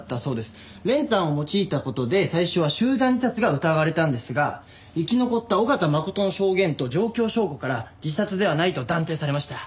練炭を用いた事で最初は集団自殺が疑われたんですが生き残った緒方真琴の証言と状況証拠から自殺ではないと断定されました。